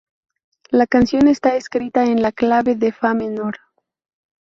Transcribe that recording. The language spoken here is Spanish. La canción está escrita en la clave de Fa menor.